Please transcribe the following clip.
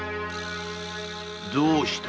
どうした？